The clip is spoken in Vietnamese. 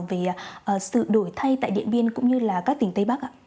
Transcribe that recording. về sự đổi thay tại điện biên cũng như là các tỉnh tây bắc